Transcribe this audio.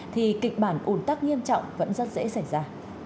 thì kịch bản ủn tắc nghiêm trọng vẫn rất dễ xảy ra